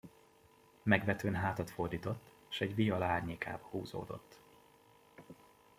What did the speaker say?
Megvetőn hátat fordított, s egy viola árnyékába húzódott.